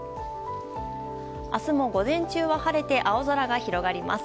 明日も午前中は晴れて青空が広がります。